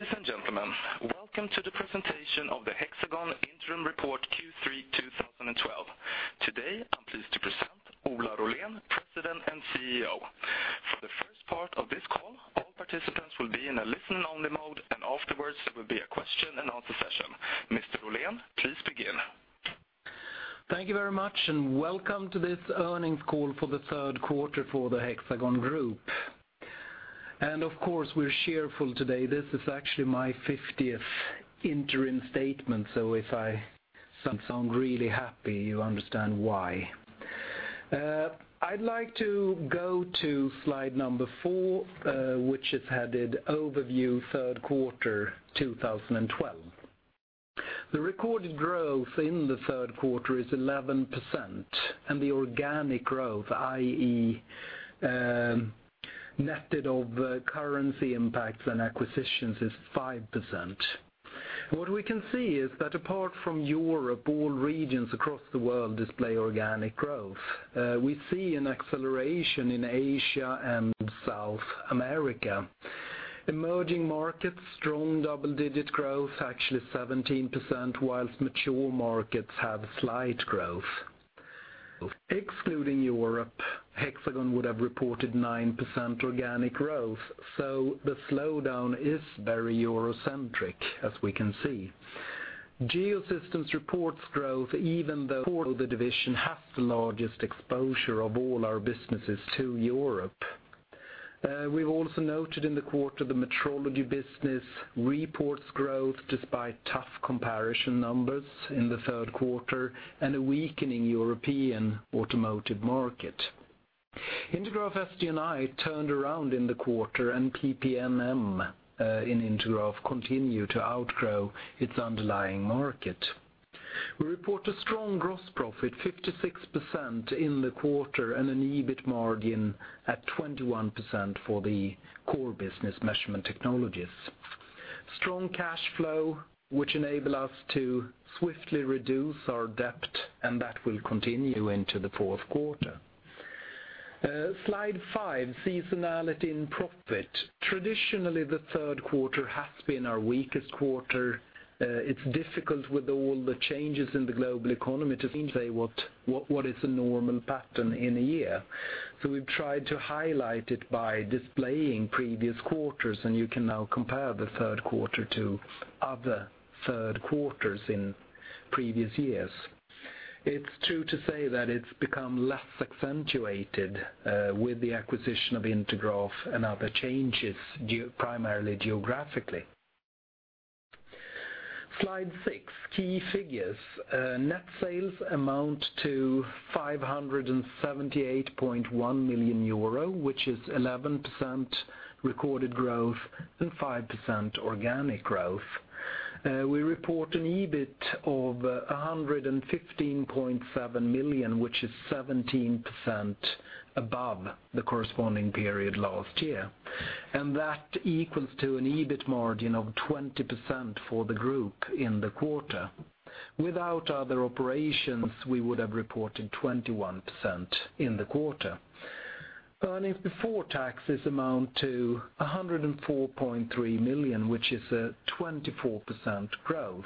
Ladies and gentlemen, welcome to the presentation of the Hexagon interim report Q3 2012. Today, I'm pleased to present Ola Rollén, President and CEO. For the first part of this call, all participants will be in a listen-only mode, afterwards there will be a question and answer session. Mr. Rollén, please begin. Thank you very much, welcome to this earnings call for the third quarter for the Hexagon group. Of course, we're cheerful today. This is actually my 50th interim statement, so if I sound really happy, you understand why. I'd like to go to slide number four, which is headed Overview Third Quarter 2012. The recorded growth in the third quarter is 11%, and the organic growth, i.e., netted of currency impacts and acquisitions, is 5%. What we can see is that apart from Europe, all regions across the world display organic growth. We see an acceleration in Asia and South America. Emerging markets, strong double-digit growth, actually 17%, whilst mature markets have slight growth. Excluding Europe, Hexagon would have reported 9% organic growth, so the slowdown is very Euro-centric, as we can see. Hexagon Geosystems reports growth, even though the division has the largest exposure of all our businesses to Europe. We've also noted in the quarter the Hexagon Metrology business reports growth despite tough comparison numbers in the third quarter and a weakening European automotive market. Intergraph SG&I turned around in the quarter, PP&M in Intergraph continue to outgrow its underlying market. We report a strong gross profit, 56% in the quarter, and an EBIT margin at 21% for the core business Measurement Technologies. Strong cash flow, which enable us to swiftly reduce our debt, that will continue into the fourth quarter. Slide five, seasonality in profit. Traditionally, the third quarter has been our weakest quarter. It's difficult with all the changes in the global economy to say what is a normal pattern in a year. We've tried to highlight it by displaying previous quarters, you can now compare the third quarter to other third quarters in previous years. It's true to say that it's become less accentuated with the acquisition of Intergraph and other changes, primarily geographically. Slide six, key figures. Net sales amount to 578.1 million euro, which is 11% recorded growth and 5% organic growth. We report an EBIT of 115.7 million, which is 17% above the corresponding period last year. That equals to an EBIT margin of 20% for the group in the quarter. Without other operations, we would have reported 21% in the quarter. Earnings before taxes amount to 104.3 million, which is a 24% growth,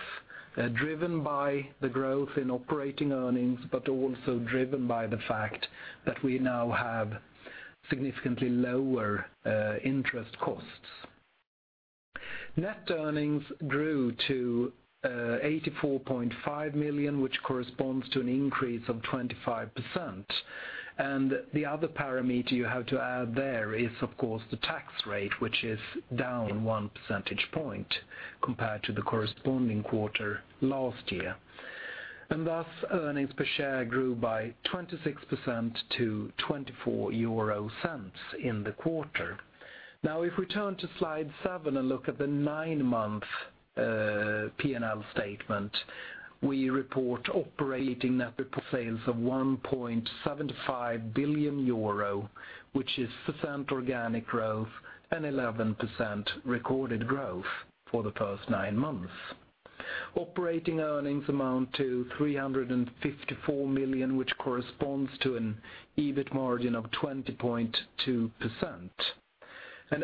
driven by the growth in operating earnings, also driven by the fact that we now have significantly lower interest costs. Net earnings grew to 84.5 million, which corresponds to an increase of 25%. The other parameter you have to add there is, of course, the tax rate, which is down one percentage point compared to the corresponding quarter last year. Thus, earnings per share grew by 26% to 0.24 in the quarter. Now, if we turn to slide seven and look at the nine-month P&L statement, we report operating net sales of 1.75 billion euro, which is 5% organic growth and 11% recorded growth for the first nine months. Operating earnings amount to 354 million, which corresponds to an EBIT margin of 20.2%.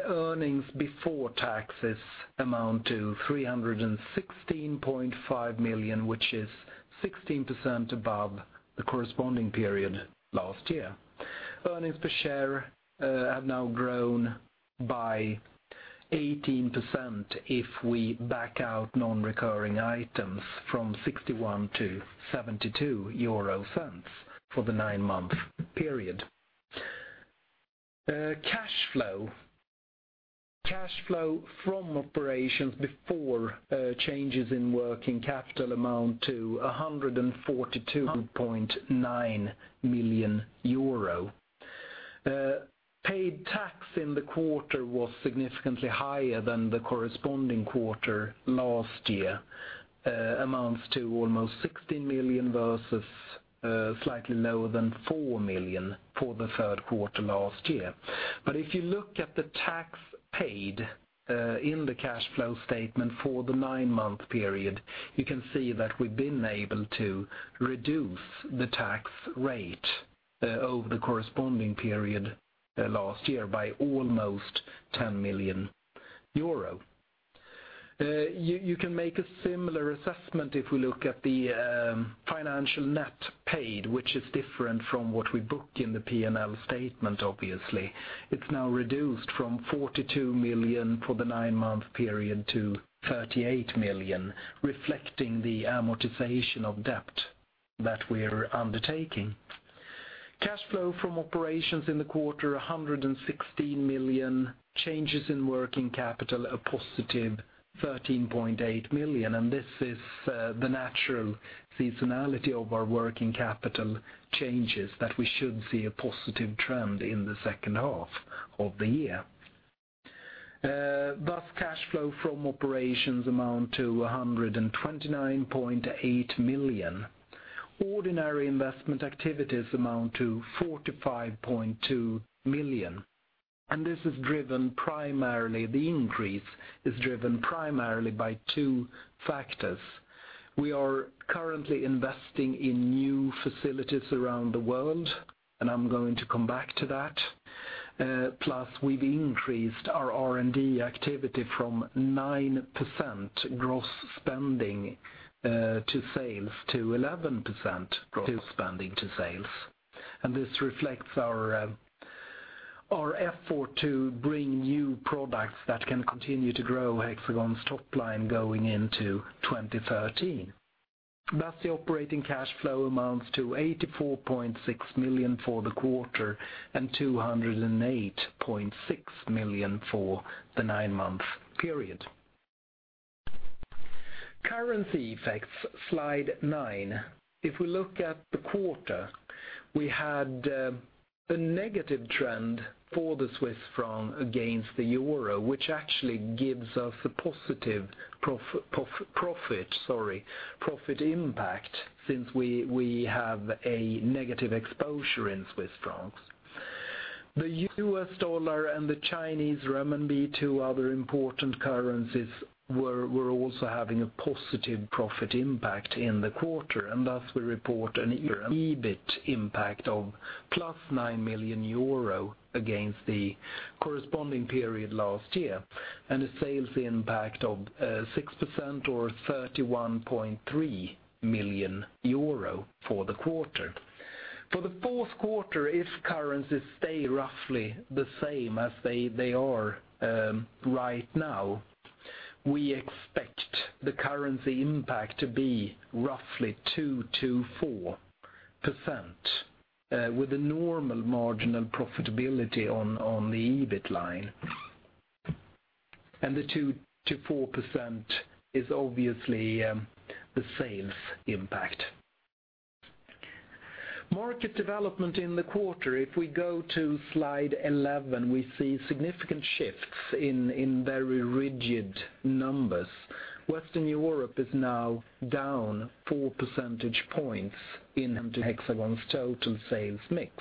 Earnings before taxes amount to 316.5 million, which is 16% above the corresponding period last year. Earnings per share have now grown by 18%, if we back out non-recurring items from 0.61 to 0.72 for the nine-month period. Cash flow. Cash flow from operations before changes in working capital amount to 142.9 million euro. Paid tax in the quarter was significantly higher than the corresponding quarter last year. Amounts to almost 16 million versus slightly lower than four million for the third quarter last year. If you look at the tax paid in the cash flow statement for the nine-month period, you can see that we've been able to reduce the tax rate over the corresponding period last year by almost 10 million euro. You can make a similar assessment if we look at the financial net paid, which is different from what we booked in the P&L statement, obviously. It's now reduced from 42 million for the nine-month period to 38 million, reflecting the amortization of debt that we are undertaking. Cash flow from operations in the quarter, 116 million. Changes in working capital, a positive 13.8 million. This is the natural seasonality of our working capital changes that we should see a positive trend in the second half of the year. Thus cash flow from operations amount to 129.8 million. Ordinary investment activities amount to 45.2 million, and the increase is driven primarily by two factors. We are currently investing in new facilities around the world, and I'm going to come back to that. Plus, we've increased our R&D activity from 9% gross spending to sales to 11% gross spending to sales. This reflects our effort to bring new products that can continue to grow Hexagon's top line going into 2013. Thus, the operating cash flow amounts to 84.6 million for the quarter and 208.6 million for the nine-month period. Currency effects, slide nine. If we look at the quarter, we had a negative trend for the Swiss franc against the euro, which actually gives us a positive profit impact since we have a negative exposure in Swiss francs. The U.S. dollar and the Chinese renminbi, two other important currencies, were also having a positive profit impact in the quarter. Thus we report an EBIT impact of +9 million euro against the corresponding period last year, and a sales impact of 6% or 31.3 million euro for the quarter. For the fourth quarter, if currencies stay roughly the same as they are right now, we expect the currency impact to be roughly 2%-4%, with a normal margin and profitability on the EBIT line, and the 2%-4% is obviously the sales impact. Market development in the quarter. If we go to slide 11, we see significant shifts in very rigid numbers. Western Europe is now down four percentage points in Hexagon's total sales mix.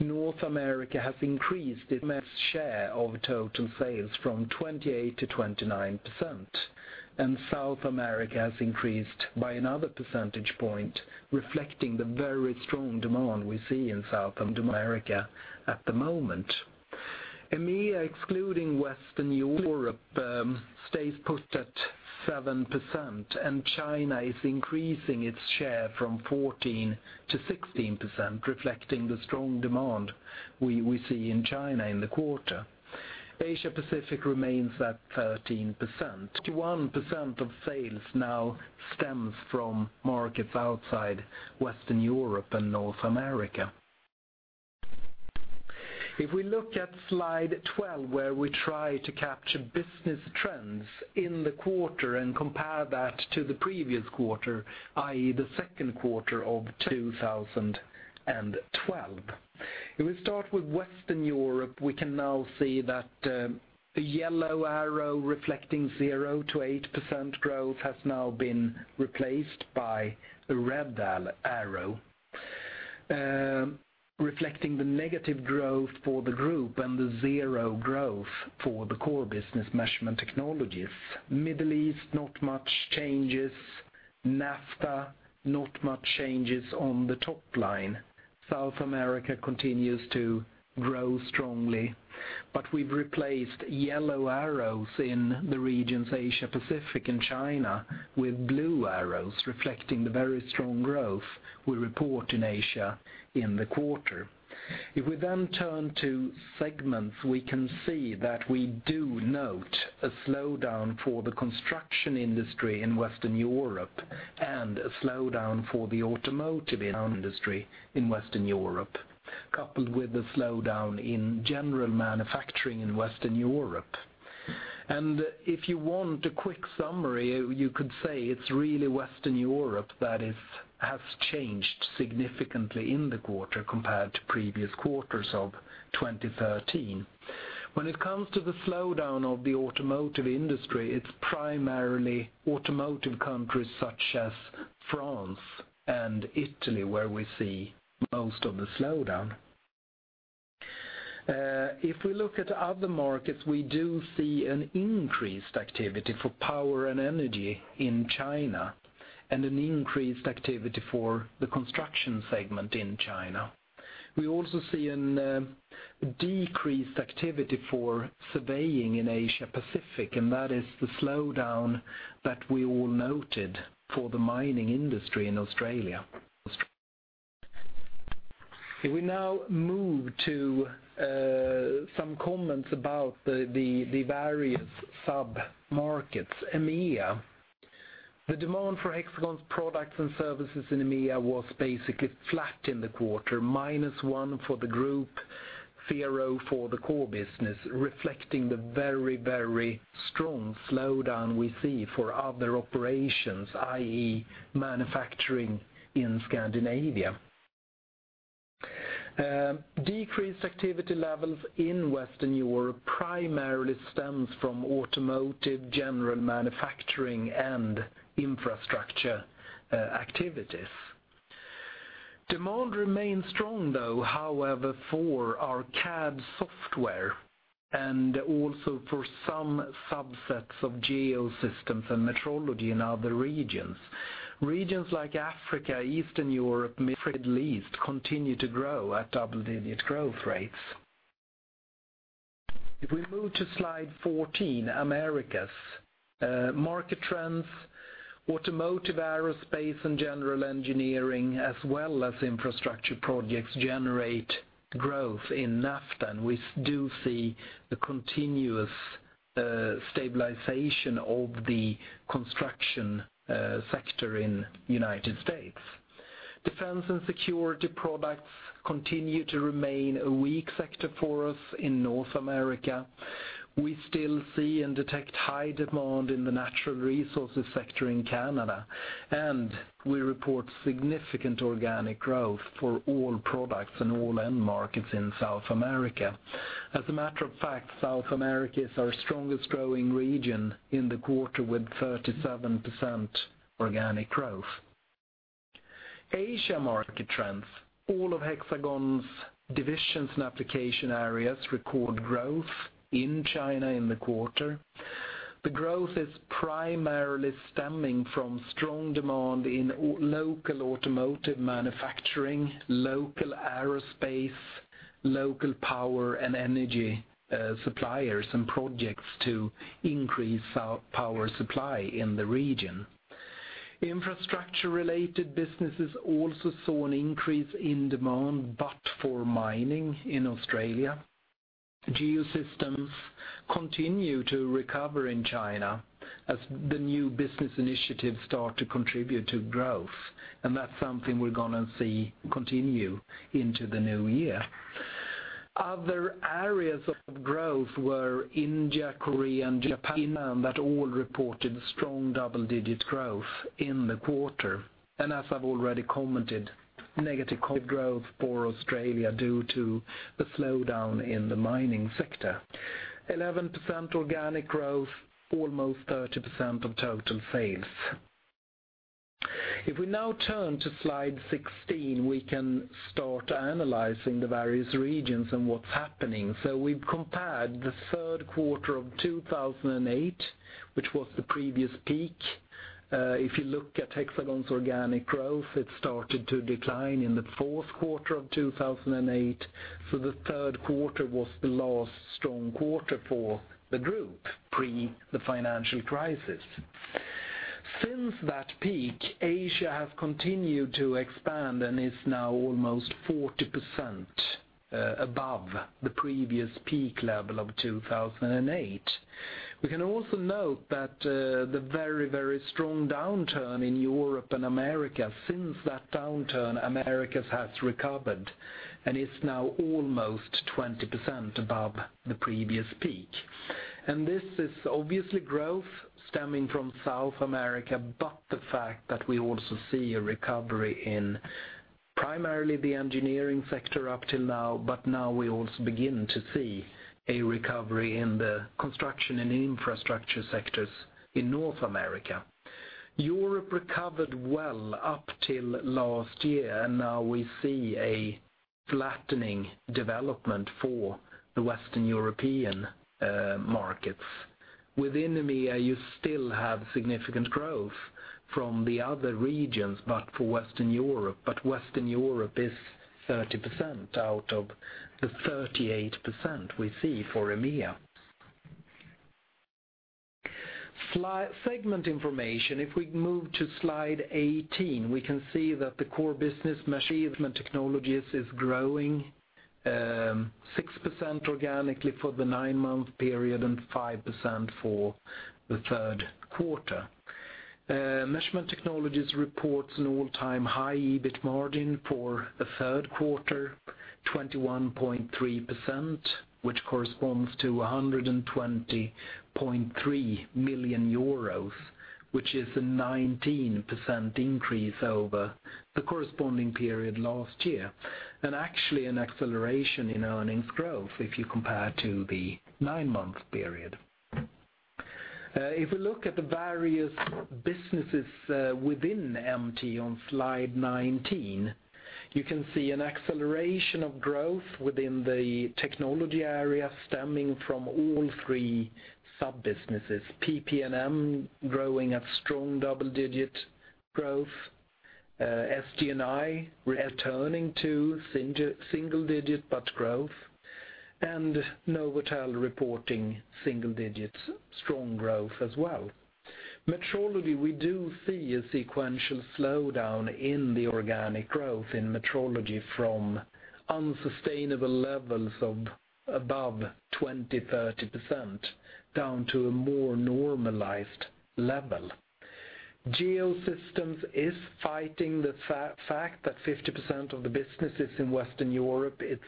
North America has increased its share of total sales from 28% to 29%, and South America has increased by another percentage point, reflecting the very strong demand we see in South America at the moment. EMEA, excluding Western Europe, stays put at 7%, and China is increasing its share from 14% to 16%, reflecting the strong demand we see in China in the quarter. Asia Pacific remains at 13%. 21% of sales now stems from markets outside Western Europe and North America. If we look at slide 12, where we try to capture business trends in the quarter and compare that to the previous quarter, i.e., the second quarter of 2012. Starting with Western Europe, we can now see that the yellow arrow reflecting 0% to 8% growth has now been replaced by a red arrow, reflecting the negative growth for the group and the zero growth for the core business Measurement Technologies. Middle East, not much changes. NAFTA, not much changes on the top line. South America continues to grow strongly. We've replaced yellow arrows in the regions Asia Pacific and China with blue arrows reflecting the very strong growth we report in Asia in the quarter. Turning to segments, we can see that we do note a slowdown for the construction industry in Western Europe and a slowdown for the automotive industry in Western Europe, coupled with a slowdown in general manufacturing in Western Europe. If you want a quick summary, you could say it's really Western Europe that has changed significantly in the quarter compared to previous quarters of 2013. When it comes to the slowdown of the automotive industry, it's primarily automotive countries such as France and Italy, where we see most of the slowdown. Looking at other markets, we do see an increased activity for power and energy in China, an increased activity for the construction segment in China. We also see a decreased activity for surveying in Asia Pacific, that is the slowdown that we all noted for the mining industry in Australia. Moving to some comments about the various sub-markets. EMEA. The demand for Hexagon's products and services in EMEA was basically flat in the quarter, minus one for the group, zero for the core business, reflecting the very strong slowdown we see for other operations, i.e., manufacturing in Scandinavia. Decreased activity levels in Western Europe primarily stems from automotive, general manufacturing, and infrastructure activities. Demand remains strong, though, however, for our CAD software and also for some subsets of Geosystems and Metrology in other regions. Regions like Africa, Eastern Europe, Middle East continue to grow at double-digit growth rates. Moving to slide 14, Americas. Market trends, automotive, aerospace, and general engineering, as well as infrastructure projects generate growth in NAFTA. We do see the continuous stabilization of the construction sector in the U.S. Defense and security products continue to remain a weak sector for us in North America. We still see and detect high demand in the natural resources sector in Canada, and we report significant organic growth for all products and all end markets in South America. As a matter of fact, South America is our strongest growing region in the quarter with 37% organic growth. Asia market trends. All of Hexagon's divisions and application areas record growth in China in the quarter. The growth is primarily stemming from strong demand in local automotive manufacturing, local aerospace, local power and energy suppliers, and projects to increase power supply in the region. Infrastructure-related businesses also saw an increase in demand, but for mining in Australia. Hexagon Geosystems continue to recover in China as the new business initiatives start to contribute to growth, and that's something we're going to see continue into the new year. Other areas of growth were India, Korea, and Japan that all reported strong double-digit growth in the quarter. As I've already commented, negative growth for Australia due to the slowdown in the mining sector. 11% organic growth, almost 30% of total sales. If we now turn to slide 16, we can start analyzing the various regions and what's happening. We've compared the third quarter of 2008, which was the previous peak. If you look at Hexagon's organic growth, it started to decline in the fourth quarter of 2008. The third quarter was the last strong quarter for the group, pre the financial crisis. Since that peak, Asia has continued to expand and is now almost 40% above the previous peak level of 2008. We can also note that the very strong downturn in Europe and America, since that downturn, Americas has recovered and is now almost 20% above the previous peak. This is obviously growth stemming from South America, but the fact that we also see a recovery in primarily the engineering sector up till now. Now we also begin to see a recovery in the construction and infrastructure sectors in North America. Europe recovered well up till last year, and now we see a flattening development for the Western European markets. Within EMEA, you still have significant growth from the other regions, but Western Europe is 30% out of the 38% we see for EMEA. Segment information. If we move to slide 18, we can see that the core business, Measurement Technologies, is growing 6% organically for the nine-month period and 5% for the third quarter. Measurement Technologies reports an all-time high EBIT margin for the third quarter, 21.3%, which corresponds to 120.3 million euros, which is a 19% increase over the corresponding period last year. Actually an acceleration in earnings growth if you compare to the nine-month period. If we look at the various businesses within MT on slide 19, you can see an acceleration of growth within the technology area stemming from all three sub-businesses. PP&M growing at strong double-digit growth. SG&I returning to single digit, but growth. NovAtel reporting single digits, strong growth as well. Metrology, we do see a sequential slowdown in the organic growth in metrology from unsustainable levels of above 20%, 30% down to a more normalized level. Hexagon Geosystems is fighting the fact that 50% of the business is in Western Europe. It's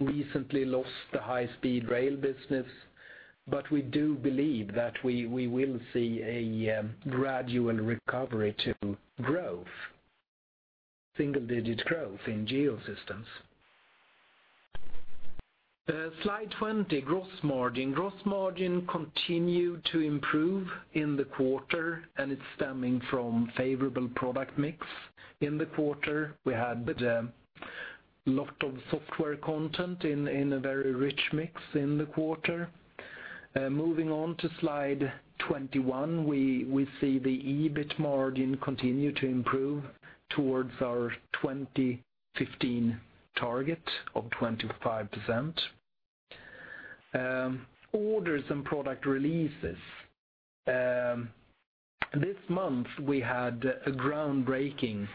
recently lost the high-speed rail business, but we do believe that we will see a gradual recovery to growth, single-digit growth in Geosystems. Slide 20, gross margin. Gross margin continued to improve in the quarter, and it's stemming from favorable product mix in the quarter. We had a lot of software content in a very rich mix in the quarter. Moving on to slide 21, we see the EBIT margin continue to improve towards our 2015 target of 25%. Orders and product releases. This month, we had a groundbreaking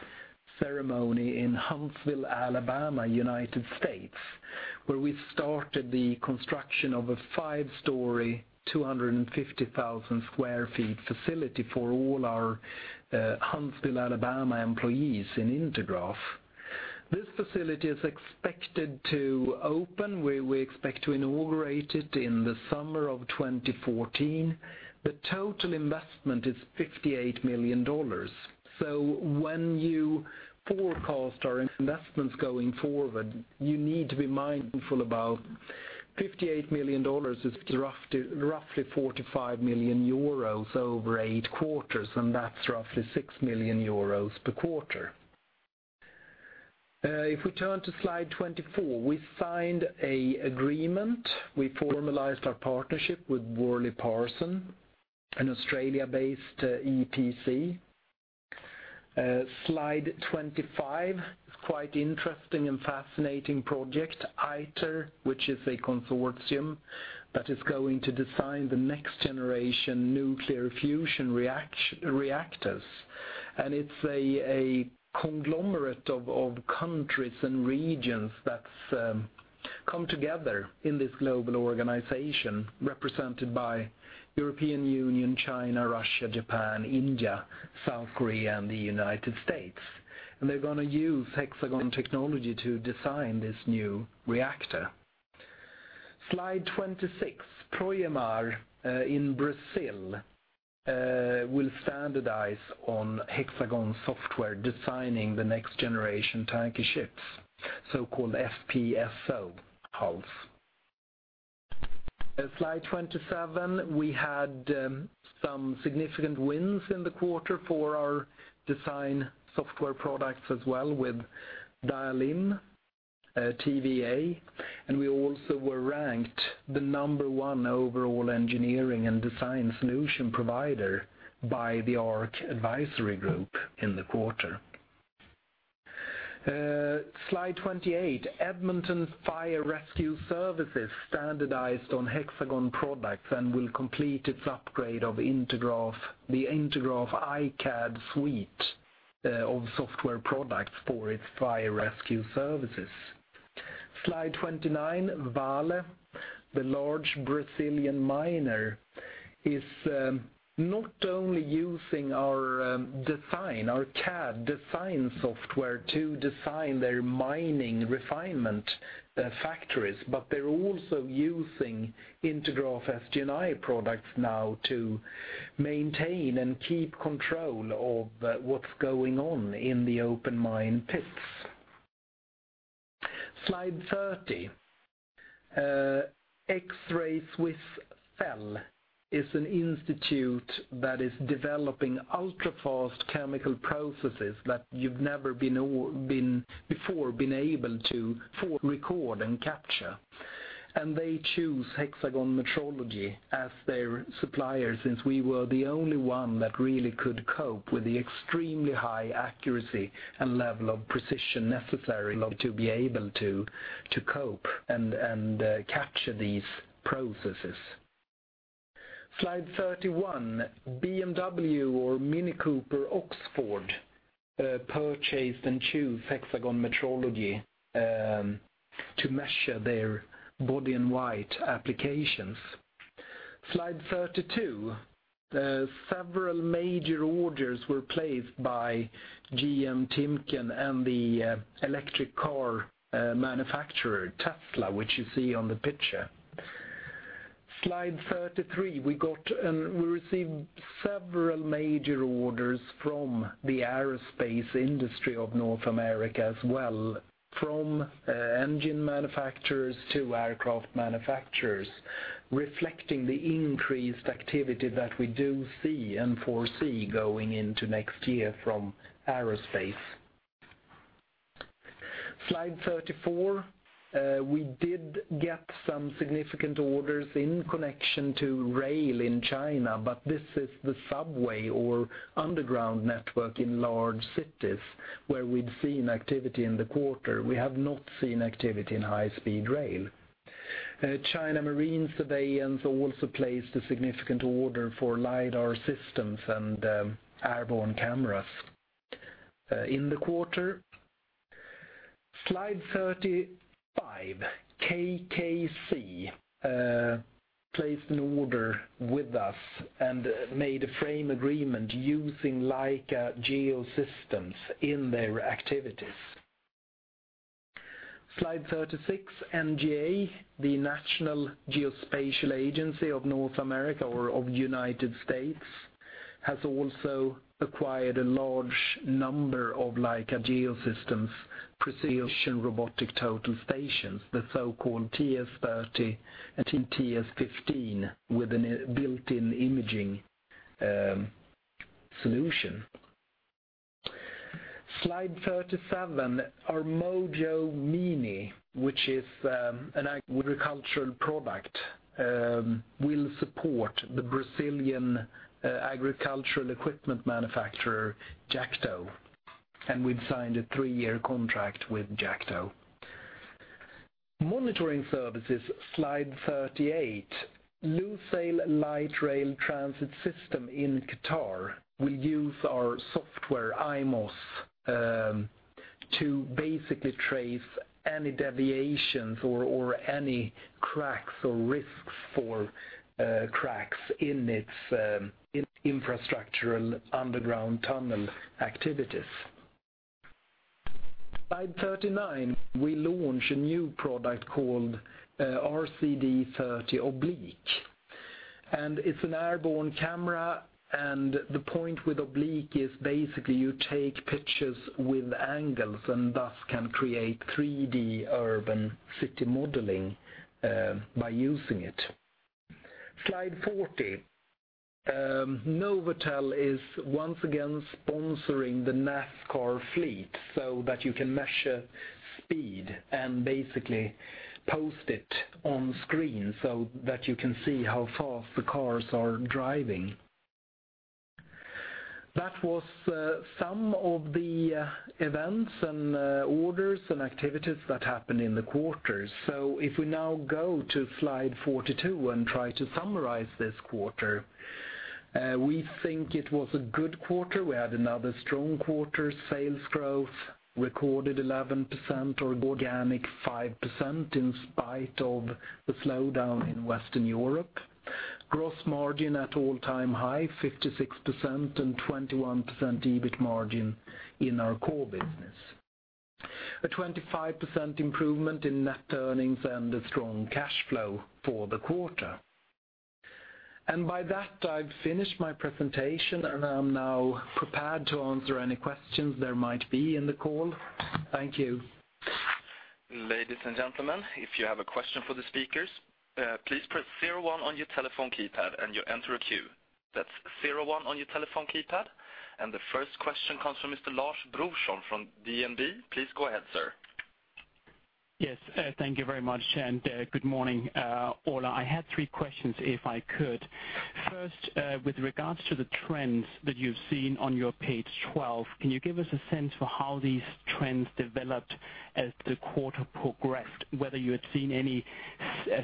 ceremony in Huntsville, Alabama, U.S., where we started the construction of a five-story, 250,000 sq ft facility for all our Huntsville, Alabama employees in Intergraph. This facility is expected to open, we expect to inaugurate it in the summer of 2014. The total investment is $58 million. When you forecast our investments going forward, you need to be mindful about $58 million is roughly 45 million euros over eight quarters, and that's roughly 6 million euros per quarter. If we turn to slide 24, we signed an agreement. We formalized our partnership with WorleyParsons, an Australia-based EPC. Slide 25. Quite interesting and fascinating project, ITER, which is a consortium that is going to design the next-generation nuclear fusion reactors. It's a conglomerate of countries and regions that's come together in this global organization represented by European Union, China, Russia, Japan, India, South Korea, and the U.S. They're going to use Hexagon technology to design this new reactor. Slide 26, Projemar in Brazil will standardize on Hexagon software, designing the next-generation tanker ships, so-called FPSO hulls. Slide 27, we had some significant wins in the quarter for our design software products as well with Daelim, TVA, and we also were ranked the number one overall engineering and design solution provider by the ARC Advisory Group in the quarter. Slide 28, Edmonton Fire Rescue Services standardized on Hexagon products and will complete its upgrade of the Intergraph I/CAD suite of software products for its fire rescue services. Slide 29, Vale, the large Brazilian miner, is not only using our design, our CAD design software to design their mining refinement factories, but they're also using Intergraph SG&I products now to maintain and keep control of what's going on in the open mine pits. Slide 30, SwissFEL is an institute that is developing ultra-fast chemical processes that you've never before been able to for record and capture. They choose Hexagon Metrology as their supplier, since we were the only one that really could cope with the extremely high accuracy and level of precision necessary to be able to cope and capture these processes. Slide 31, BMW or MINI Cooper Oxford purchased and chose Hexagon Metrology to measure their body-in-white applications. Slide 32, several major orders were placed by GM, Timken, and the electric car manufacturer, Tesla, which you see on the picture. Slide 33, we received several major orders from the aerospace industry of North America as well, from engine manufacturers to aircraft manufacturers. Reflecting the increased activity that we do see and foresee going into next year from aerospace. Slide 34. This is the subway or underground network in large cities where we'd seen activity in the quarter. We have not seen activity in high-speed rail. China Marine Surveillance also placed a significant order for lidar systems and airborne cameras in the quarter. Slide 35. KKC placed an order with us and made a frame agreement using Leica Geosystems in their activities. Slide 36. NGA, the National Geospatial-Intelligence Agency of North America or of the U.S., has also acquired a large number of Leica Geosystems precision robotic total stations, the so-called TS30 and TS15, with a built-in imaging solution. Slide 37. Our mojoMINI, which is an agricultural product will support the Brazilian agricultural equipment manufacturer, Jacto, and we've signed a three-year contract with Jacto. Monitoring services, slide 38. Lusail Light Rail transit system in Qatar will use our software, imos, to basically trace any deviations or any cracks or risks for cracks in its infrastructural underground tunnel activities. Slide 39. We launch a new product called RCD30 Oblique, and it's an airborne camera, and the point with oblique is basically you take pictures with angles and thus can create 3D urban city modeling by using it. Slide 40. NovAtel is once again sponsoring the NASCAR fleet so that you can measure speed and basically post it on screen so that you can see how fast the cars are driving. That was some of the events and orders and activities that happened in the quarter. If we now go to slide 42 and try to summarize this quarter, we think it was a good quarter. We had another strong quarter sales growth, recorded 11% or organic 5% in spite of the slowdown in Western Europe. Gross margin at all-time high, 56% and 21% EBIT margin in our core business. A 25% improvement in net earnings and a strong cash flow for the quarter. And by that, I've finished my presentation, and I'm now prepared to answer any questions there might be in the call. Thank you. Ladies and gentlemen, if you have a question for the speakers, please press 01 on your telephone keypad and you enter a queue. That's 01 on your telephone keypad. And the first question comes from Mr. Lars Brorson from DNB. Please go ahead, sir. Yes. Thank you very much. Good morning, all. I had three questions, if I could. First, with regards to the trends that you've seen on your page 12, can you give us a sense for how these trends developed as the quarter progressed, whether you had seen any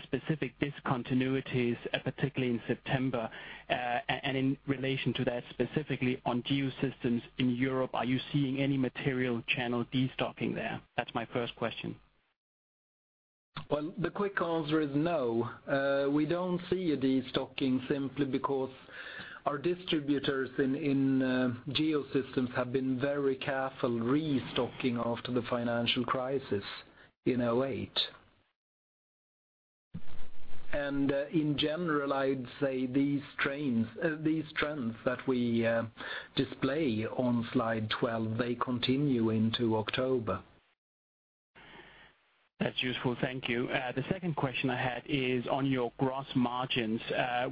specific discontinuities, particularly in September? In relation to that, specifically on Geosystems in Europe, are you seeing any material channel destocking there? That's my first question. Well, the quick answer is no. We don't see a destocking simply because our distributors in Geosystems have been very careful restocking after the financial crisis in '08. In general, I'd say these trends that we display on slide 12, they continue into October. That's useful. Thank you. The second question I had is on your gross margins,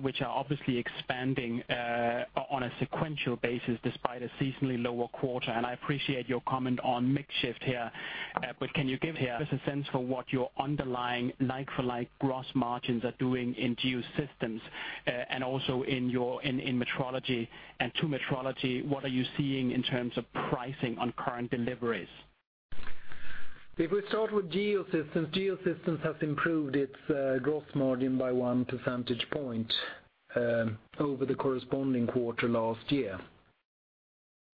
which are obviously expanding on a sequential basis despite a seasonally lower quarter, and I appreciate your comment on mix shift here. Can you give us a sense for what your underlying like-for-like gross margins are doing in Geosystems and also in Metrology? To Metrology, what are you seeing in terms of pricing on current deliveries? If we start with Geosystems has improved its gross margin by one percentage point over the corresponding quarter last year.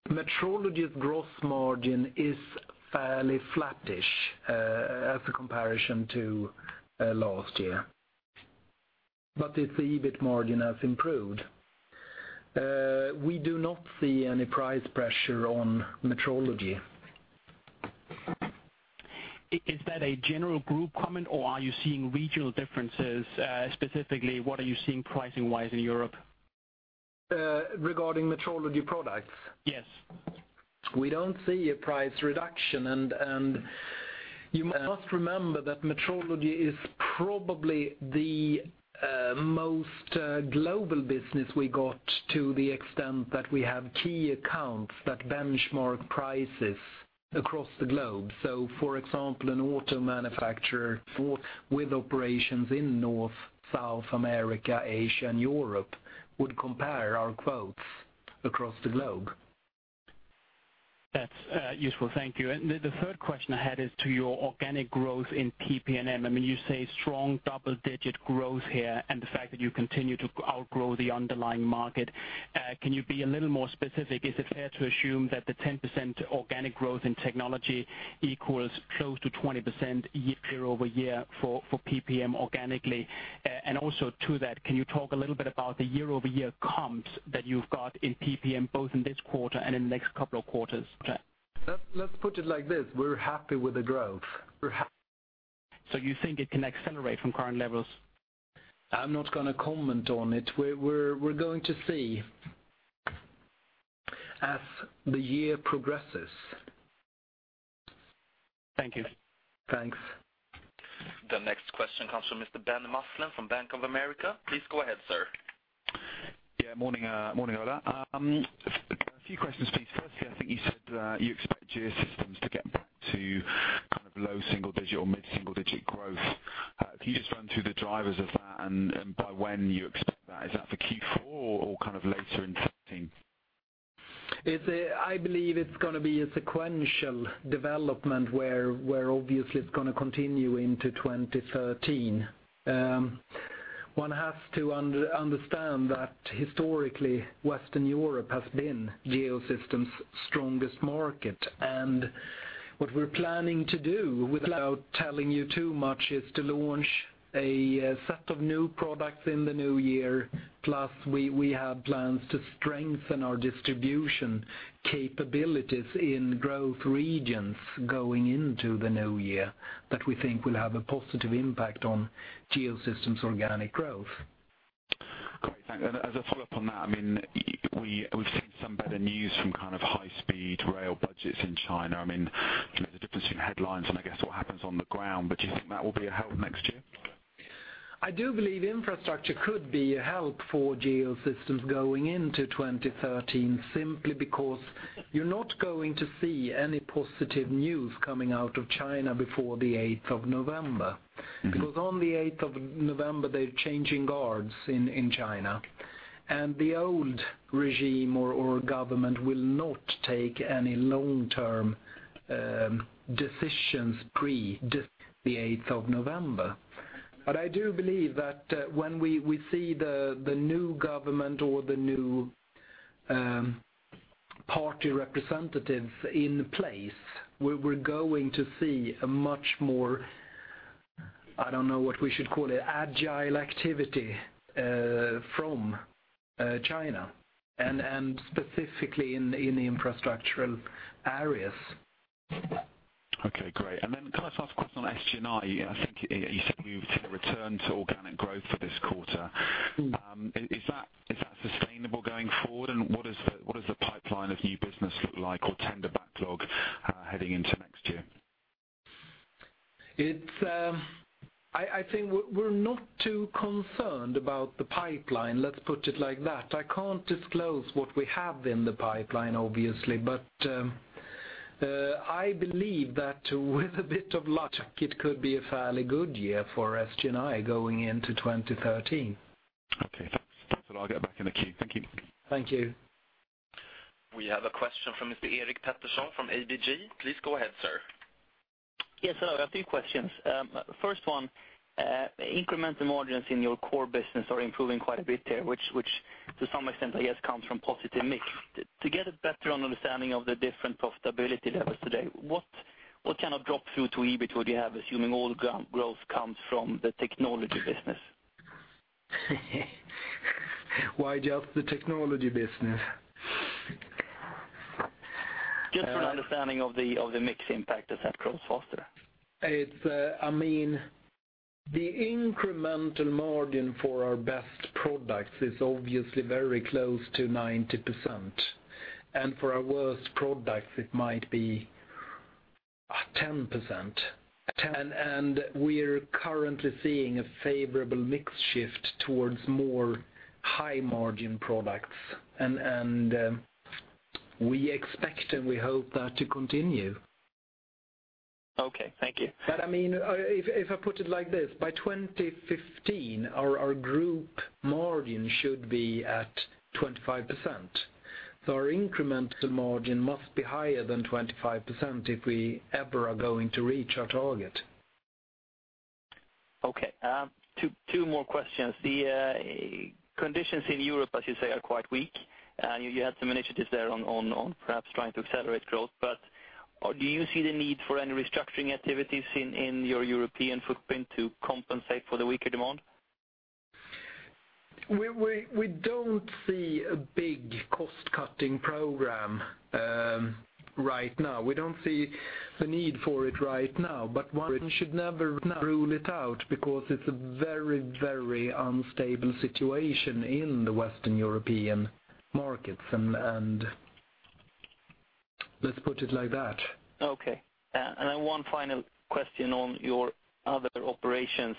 Metrology's gross margin is fairly flattish as a comparison to last year, but its EBIT margin has improved. We do not see any price pressure on Metrology. Is that a general group comment or are you seeing regional differences? Specifically, what are you seeing pricing-wise in Europe? Regarding metrology products? Yes. We don't see a price reduction, and you must remember that metrology is probably the most global business we got to the extent that we have key accounts that benchmark prices across the globe. For example, an auto manufacturer with operations in North, South America, Asia, and Europe would compare our quotes across the globe. That's useful. Thank you. The third question I had is to your organic growth in PP&M. You say strong double-digit growth here, and the fact that you continue to outgrow the underlying market. Can you be a little more specific? Is it fair to assume that the 10% organic growth in technology equals close to 20% year-over-year for PP&M organically? Also to that, can you talk a little bit about the year-over-year comps that you've got in PP&M, both in this quarter and in the next couple of quarters? Let's put it like this. We're happy with the growth. You think it can accelerate from current levels? I'm not going to comment on it. We're going to see as the year progresses. Thank you. Thanks. The next question comes from Mr. Ben Maslen from Bank of America. Please go ahead, sir. Yeah. Morning, Ola. A few questions, please. Firstly, I think you said that you expect Geosystems to get back to low single digit or mid-single digit growth. Can you just run through the drivers of that and by when you expect that? Is that for Q4 or later in 2013? I believe it's going to be a sequential development where obviously it's going to continue into 2013. One has to understand that historically, Western Europe has been Geosystems' strongest market. What we're planning to do, without telling you too much, is to launch a set of new products in the new year. We have plans to strengthen our distribution capabilities in growth regions going into the new year, that we think will have a positive impact on Geosystems' organic growth. Great, thanks. As a follow-up on that, we've seen some better news from high-speed rail budgets in China. There's a difference between headlines and I guess what happens on the ground, do you think that will be a help next year? I do believe infrastructure could be a help for Hexagon Geosystems going into 2013, simply because you're not going to see any positive news coming out of China before the 8th of November. On the 8th of November, they're changing guards in China, and the old regime or government will not take any long-term decisions pre the 8th of November. I do believe that when we see the new government or the new party representatives in place, we're going to see a much more, I don't know what we should call it, agile activity from China and specifically in the infrastructural areas. Okay, great. Can I just ask a question on SG&I? I think you said you've hit a return to organic growth for this quarter. Is that sustainable going forward and what does the pipeline of new business look like or tender backlog heading into next year? I think we're not too concerned about the pipeline, let's put it like that. I can't disclose what we have in the pipeline, obviously, but I believe that with a bit of luck, it could be a fairly good year for SG&I going into 2013. Okay. I'll get back in the queue. Thank you. Thank you. We have a question from Mr. Erik Pettersson from ABG. Please go ahead, sir. Yes. I have two questions. First one, incremental margins in your core business are improving quite a bit there, which to some extent I guess comes from positive mix. To get a better understanding of the different profitability levels today, what kind of drop through to EBIT would you have, assuming all growth comes from the technology business? Why just the technology business? Just for an understanding of the mix impact, does that grow faster? The incremental margin for our best products is obviously very close to 90%, and for our worst products it might be 10%. We're currently seeing a favorable mix shift towards more high-margin products, and we expect and we hope that to continue. Okay, thank you. If I put it like this, by 2015, our group margin should be at 25%, so our incremental margin must be higher than 25% if we ever are going to reach our target. Okay. Two more questions. The conditions in Europe, as you say, are quite weak, and you had some initiatives there on perhaps trying to accelerate growth. Do you see the need for any restructuring activities in your European footprint to compensate for the weaker demand? We don't see a big cost-cutting program right now. We don't see the need for it right now, but one should never rule it out because it's a very unstable situation in the Western European markets. Let's put it like that. Okay. Then one final question on your other operations,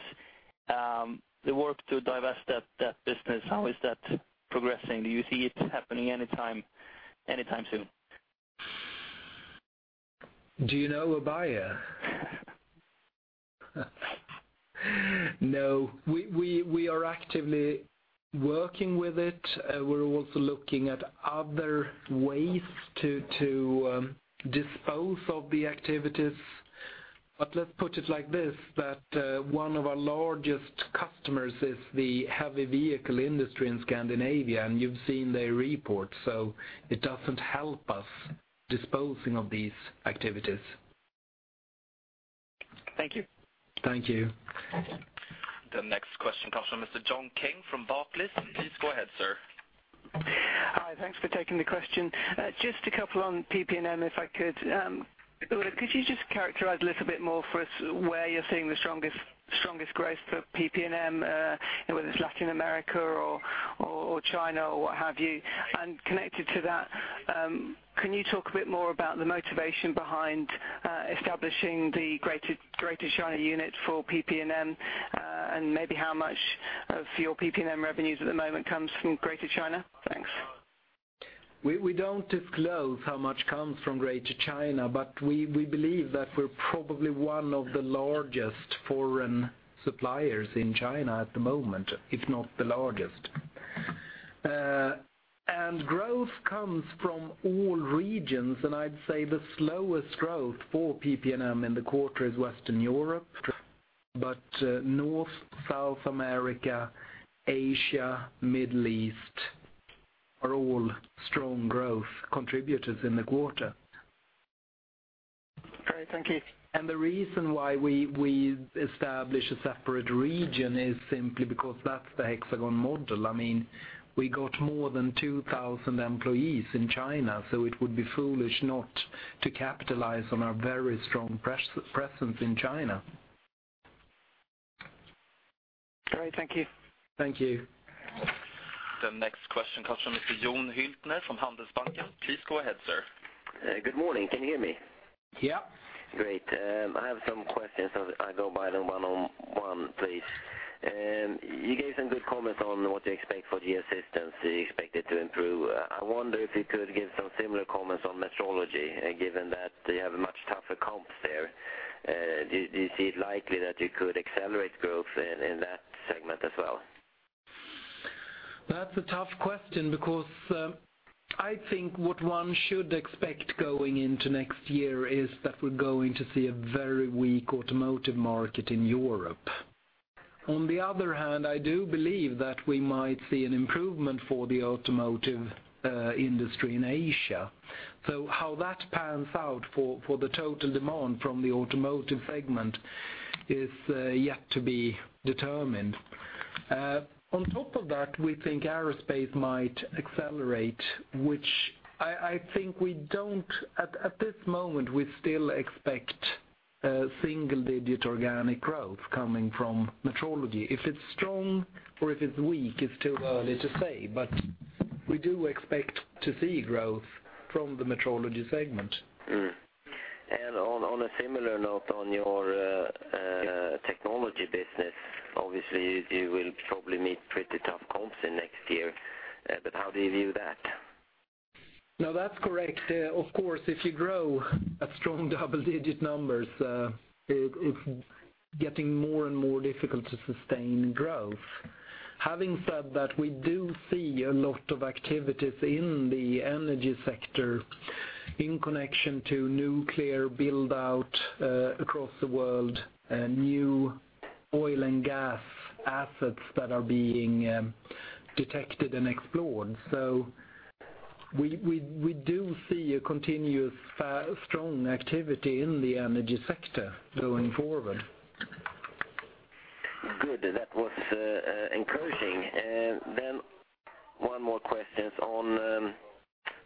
the work to divest that business, how is that progressing? Do you see it happening anytime soon? Do you know a buyer? No, we are actively working with it. We're also looking at other ways to dispose of the activities. Let's put it like this, that one of our largest customers is the heavy vehicle industry in Scandinavia, and you've seen their report, so it doesn't help us disposing of these activities. Thank you. Thank you. The next question comes from Mr. John King from Barclays. Please go ahead, sir. Hi. Thanks for taking the question. Just a couple on PP&M, if I could. Ola, could you just characterize a little bit more for us where you're seeing the strongest growth for PP&M, whether it's Latin America or China or what have you? Connected to that, can you talk a bit more about the motivation behind establishing the Greater China unit for PP&M, and maybe how much of your PP&M revenues at the moment comes from Greater China? Thanks. We don't disclose how much comes from Greater China, but we believe that we're probably one of the largest foreign suppliers in China at the moment, if not the largest. Growth comes from all regions, and I'd say the slowest growth for PP&M in the quarter is Western Europe. North, South America, Asia, Middle East, are all strong growth contributors in the quarter. Great. Thank you. The reason why we established a separate region is simply because that's the Hexagon model. We got more than 2,000 employees in China, so it would be foolish not to capitalize on our very strong presence in China. Great, thank you. Thank you. The next question comes from Mr. Jon Hyltner from Handelsbanken. Please go ahead, sir. Good morning. Can you hear me? Yeah. Great. I have some questions. I'll go by them one on one, please. You gave some good comments on what to expect for the assistance, you expect it to improve. I wonder if you could give some similar comments on Metrology, given that they have a much tougher comps there. Do you see it likely that you could accelerate growth in that segment as well? That's a tough question because I think what one should expect going into next year is that we're going to see a very weak automotive market in Europe. On the other hand, I do believe that we might see an improvement for the automotive industry in Asia. How that pans out for the total demand from the automotive segment is yet to be determined. On top of that, we think aerospace might accelerate. At this moment, we still expect single-digit organic growth coming from Metrology. If it's strong or if it's weak, it's too early to say, but we do expect to see growth from the Metrology segment. On a similar note, on your Measurement Technologies business, obviously, you will probably meet pretty tough comps in next year. How do you view that? No, that's correct. Of course, if you grow at strong double-digit numbers, it's getting more and more difficult to sustain growth. Having said that, we do see a lot of activities in the energy sector in connection to nuclear build-out across the world, new oil and gas assets that are being detected and explored. We do see a continuous strong activity in the energy sector going forward. Good. That was encouraging. One more question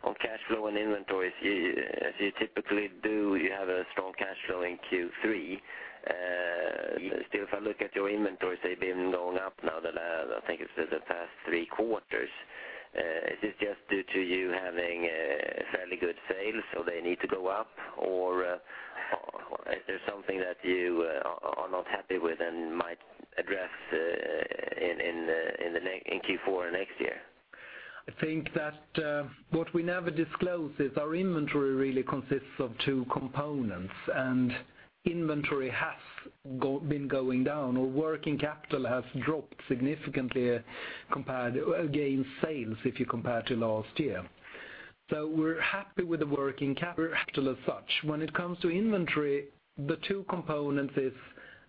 on cash flow and inventories. As you typically do, you have a strong cash flow in Q3. Still, if I look at your inventories, they've been going up now, I think it's for the past three quarters. Is this just due to you having fairly good sales, so they need to go up, or is there something that you are not happy with and might address in Q4 or next year? I think that what we never disclose is our inventory really consists of two components, inventory has been going down, or working capital has dropped significantly against sales if you compare to last year. We're happy with the working capital as such. When it comes to inventory, the two components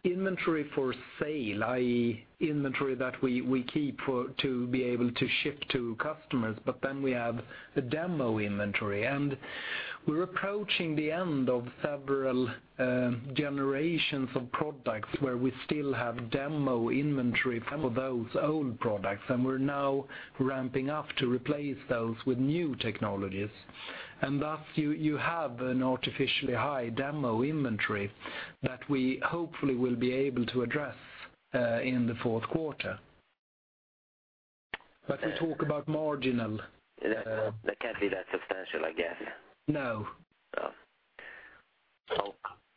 is inventory for sale, i.e., inventory that we keep to be able to ship to customers, we have a demo inventory. We're approaching the end of several generations of products where we still have demo inventory for those old products, we're now ramping up to replace those with new technologies. Thus, you have an artificially high demo inventory that we hopefully will be able to address in the fourth quarter. We talk about marginal. That can't be that substantial, I guess. No. No.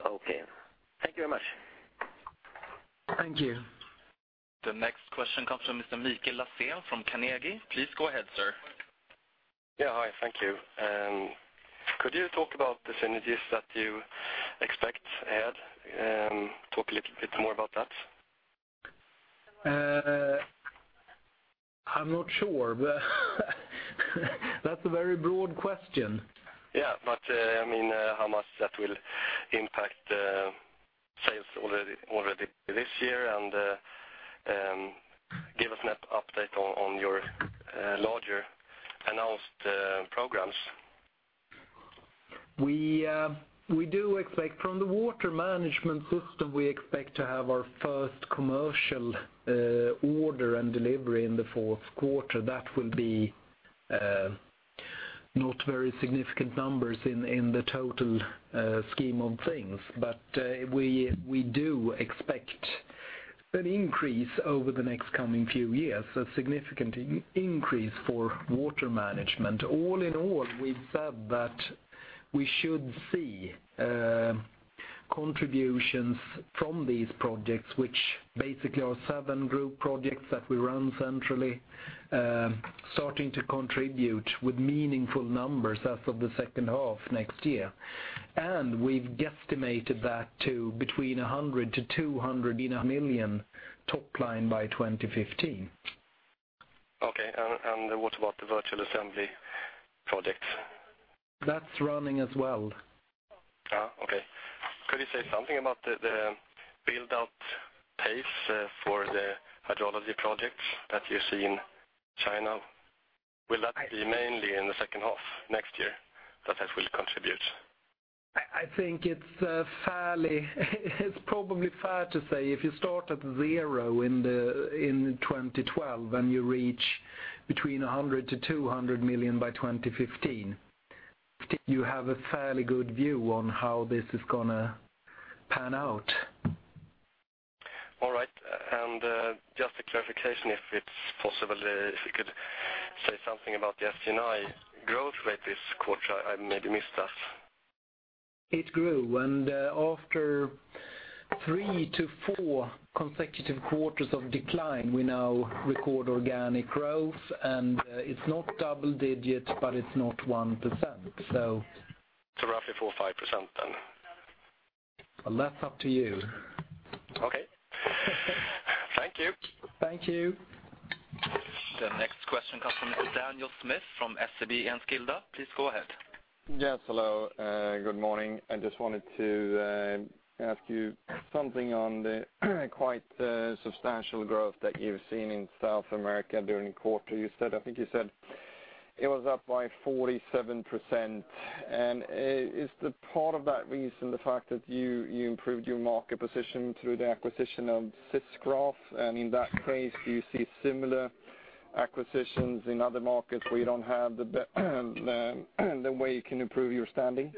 Okay. Thank you very much. Thank you. The next question comes from Mr. Mikael Laséen from Carnegie. Please go ahead, sir. Yeah. Hi. Thank you. Could you talk about the synergies that you expect ahead? Talk a little bit more about that. I'm not sure. That's a very broad question. Yeah. How much that will impact sales already this year, and give us an update on your larger announced programs? From the water management system, we expect to have our first commercial order and delivery in the fourth quarter. That will be not very significant numbers in the total scheme of things. We do expect an increase over the next coming few years, a significant increase for water management. All in all, we've said that we should see contributions from these projects, which basically are seven group projects that we run centrally, starting to contribute with meaningful numbers as of the second half next year. We've guesstimated that to between 100 million to 200 million in top line by 2015. Okay. What about the virtual assembly project? That's running as well. Okay. Could you say something about the build-out pace for the hydrology projects that you see in China? Will that be mainly in the second half next year that that will contribute? I think it's probably fair to say, if you start at zero in 2012, and you reach between 100 million to 200 million by 2015, you have a fairly good view on how this is going to pan out. All right. Just a clarification, if it's possible, if you could say something about the SG&I growth rate this quarter, I maybe missed that. It grew, and after three to four consecutive quarters of decline, we now record organic growth, and it's not double digits, but it's not 1%. Roughly 4%-5% then. Well, that's up to you. Okay. Thank you. Thank you. The next question comes from Daniel Djurberg from SEB Enskilda. Please go ahead. Yes, hello. Good morning. I just wanted to ask you something on the quite substantial growth that you've seen in South America during the quarter. I think you said it was up by 47%. Is the part of that reason the fact that you improved your market position through the acquisition of SISGRAPH? In that case, do you see similar acquisitions in other markets where you don't have the way you can improve your standing?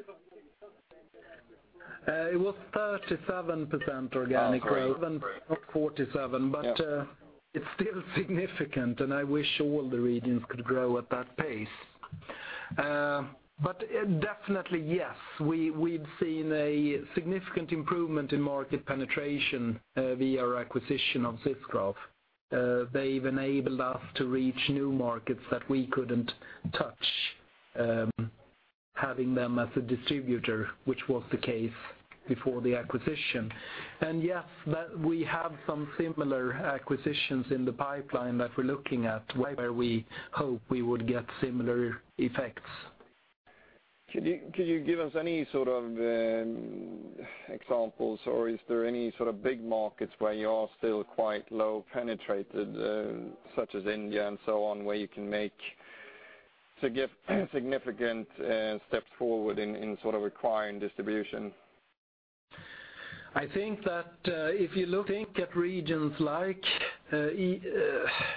It was 37% organic growth- Sorry not 47, it's still significant, I wish all the regions could grow at that pace. Definitely, yes, we've seen a significant improvement in market penetration via our acquisition of SISGRAPH. Yes, we have some similar acquisitions in the pipeline that we're looking at, where we hope we would get similar effects. Can you give us any sort of examples, or is there any sort of big markets where you are still quite low penetrated, such as India and so on, where you can make significant steps forward in acquiring distribution? I think that if you look at regions like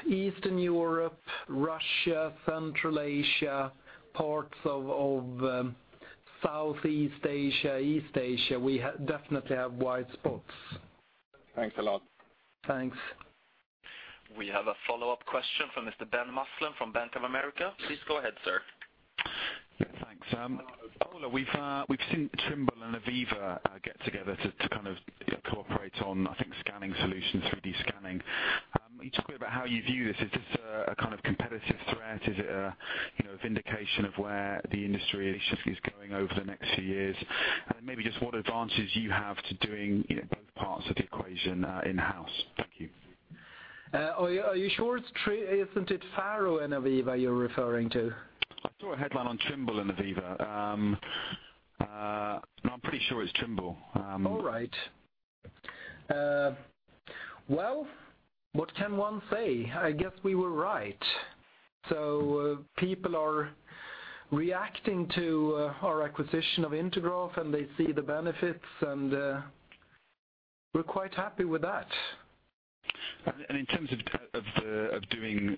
Eastern Europe, Russia, Central Asia, parts of Southeast Asia, East Asia, we definitely have white spots. Thanks a lot. Thanks. We have a follow-up question from Mr. Ben Maslen from Bank of America. Please go ahead, sir. Thanks. Ola, we've seen Trimble and AVEVA get together to kind of cooperate on, I think, scanning solutions, 3D scanning. Can you talk a bit about how you view this? Is this a kind of competitive threat? Is it a vindication of where the industry is going over the next few years? Maybe just what advantages you have to doing both parts of the equation in-house. Thank you. Are you sure it's true? Isn't it FARO and AVEVA you're referring to? I saw a headline on Trimble and AVEVA. No, I'm pretty sure it's Trimble. All right. Well, what can one say? I guess we were right. People are reacting to our acquisition of Intergraph, and they see the benefits, and we're quite happy with that. In terms of doing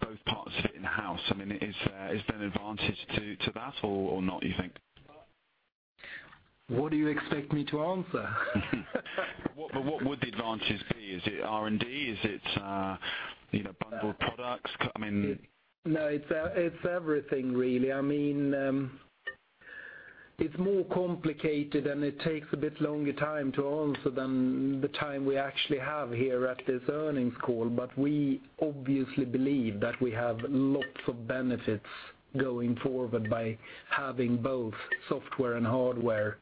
both parts of it in-house, is there an advantage to that or not, you think? What do you expect me to answer? What would the advantages be? Is it R&D? Is it bundled products? No, it's everything really. It's more complicated, and it takes a bit longer time to answer than the time we actually have here at this earnings call, but we obviously believe that we have lots of benefits going forward by having both software and hardware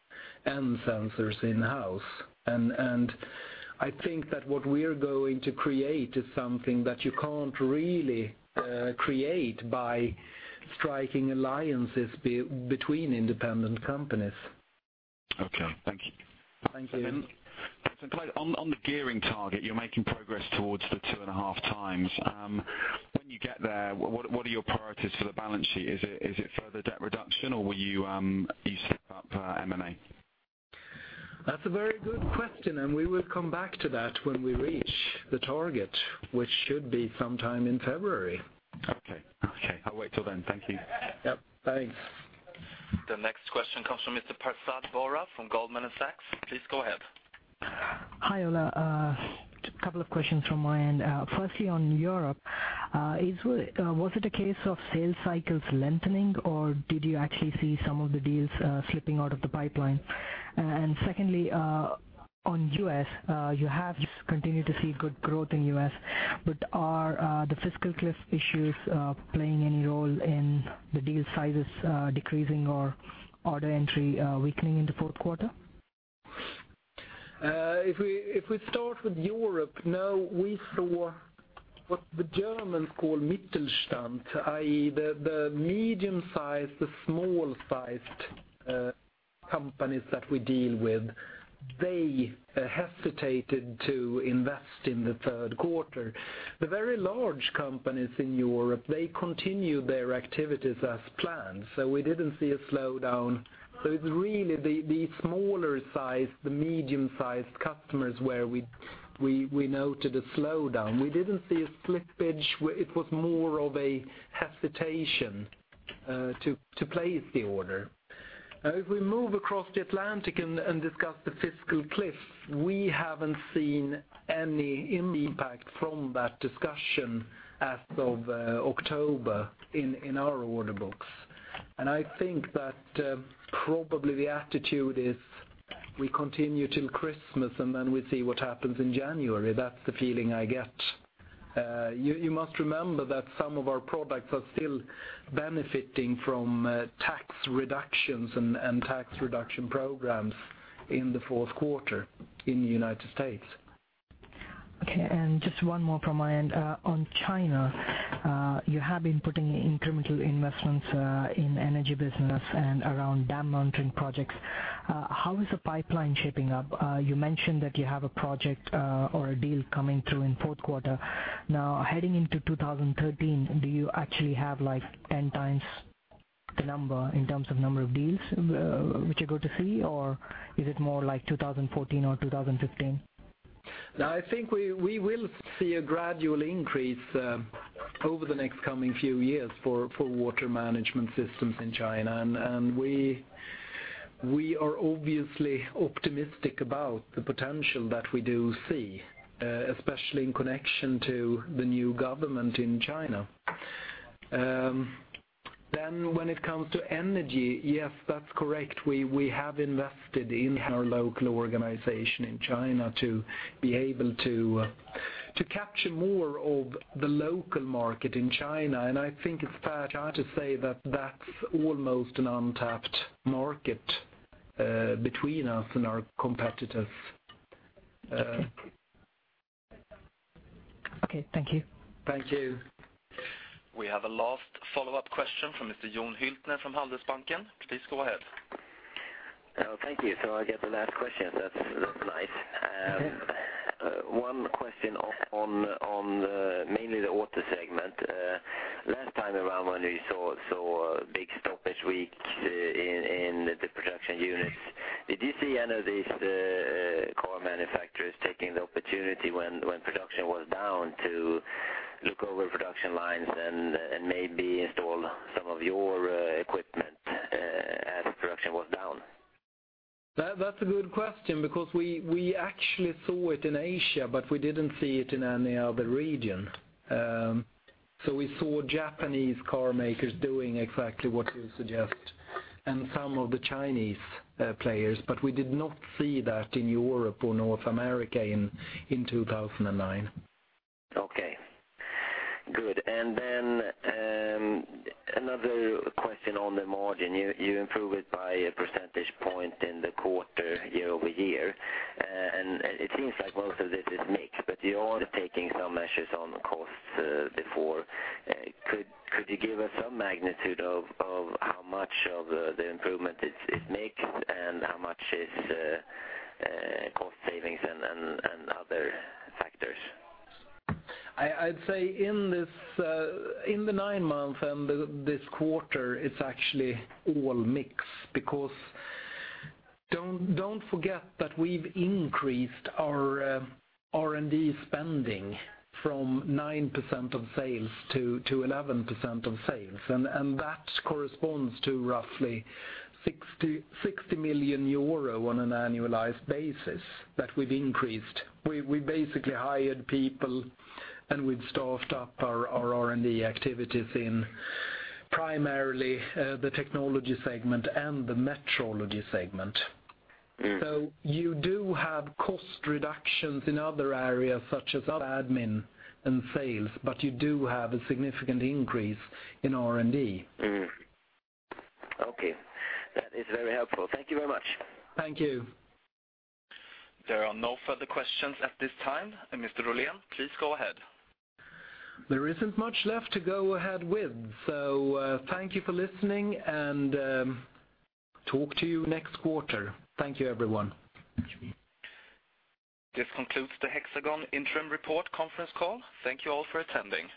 and sensors in-house. I think that what we're going to create is something that you can't really create by striking alliances between independent companies. Okay. Thank you. Thank you. Then, Patrik, on the gearing target, you're making progress towards the two and a half times. When you get there, what are your priorities for the balance sheet? Is it further debt reduction, or will you speed up M&A? That's a very good question, and we will come back to that when we reach the target, which should be sometime in February. Okay. I'll wait till then. Thank you. Yep, thanks. The next question comes from Mr. Prasad Borra from Goldman Sachs. Please go ahead. Hi, Ola. A couple of questions from my end. Firstly, on Europe, was it a case of sales cycles lengthening, or did you actually see some of the deals slipping out of the pipeline? Secondly, on U.S., you have continued to see good growth in U.S., but are the fiscal cliff issues playing any role in the deal sizes decreasing or order entry weakening in the fourth quarter? We start with Europe, we saw what the Germans call Mittelstand, i.e., the medium-sized, the small-sized companies that we deal with. They hesitated to invest in the third quarter. The very large companies in Europe, they continued their activities as planned, we didn't see a slowdown. It's really the smaller size, the medium-sized customers where we noted a slowdown. We didn't see a slippage, it was more of a hesitation to place the order. If we move across the Atlantic and discuss the fiscal cliff, we haven't seen any impact from that discussion as of October in our order books. I think that probably the attitude is we continue till Christmas, and then we see what happens in January. That's the feeling I get. You must remember that some of our products are still benefiting from tax reductions and tax reduction programs in the fourth quarter in the United States. Okay, just one more from my end. On China, you have been putting incremental investments in energy business and around dam monitoring projects. How is the pipeline shaping up? You mentioned that you have a project or a deal coming through in fourth quarter. Heading into 2013, do you actually have 10 times the number in terms of number of deals which you're going to see, or is it more like 2014 or 2015? I think we will see a gradual increase over the next coming few years for water management systems in China. We are obviously optimistic about the potential that we do see, especially in connection to the new government in China. When it comes to energy, yes, that's correct. We have invested in our local organization in China to be able to capture more of the local market in China, I think it's fair to say that that's almost an untapped market between us and our competitors. Okay. Thank you. Thank you. We have a last follow-up question from Mr. Jon Hyltner from Handelsbanken. Please go ahead. Thank you. I get the last question. That's nice. Yeah. One question on mainly the auto segment. Last time around when we saw big stoppage weeks in the production units, did you see any of these car manufacturers taking the opportunity when production was down to look over production lines and maybe install some of your equipment as production was down? That's a good question because we actually saw it in Asia, but we didn't see it in any other region. We saw Japanese car makers doing exactly what you suggest and some of the Chinese players, but we did not see that in Europe or North America in 2009. Okay, good. Another question on the margin. You improved it by a percentage point in the quarter year-over-year, and it seems like most of it is mixed, but you are taking some measures on the costs before. Could you give us some magnitude of how much of the improvement is mixed and how much is cost savings and other factors? I'd say in the nine months and this quarter, it's actually all mix because don't forget that we've increased our R&D spending from 9% of sales to 11% of sales, that corresponds to roughly 60 million euro on an annualized basis that we've increased. We basically hired people, we've staffed up our R&D activities in primarily the technology segment and the Metrology segment. You do have cost reductions in other areas, such as admin and sales, but you do have a significant increase in R&D. Okay. That is very helpful. Thank you very much. Thank you. There are no further questions at this time. Mr. Rollén, please go ahead. There isn't much left to go ahead with, so thank you for listening, and talk to you next quarter. Thank you, everyone. This concludes the Hexagon interim report conference call. Thank you all for attending.